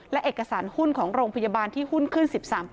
และเอกสารหุ้นของโรงพยาบาลที่หุ้นขึ้น๑๓